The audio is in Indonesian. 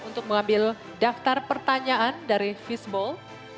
untuk mengambil daftar pertanyaan dari fishball